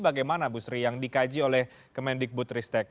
bagaimana bu sri yang dikaji oleh kemendikbud ristek